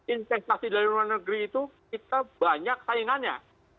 investasi dari luar negeri itu kita banyak saingannya